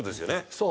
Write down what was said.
そう。